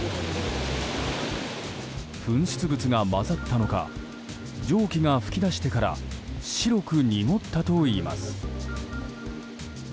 噴出物が混ざったのか蒸気が噴き出してから白く濁ったといいます。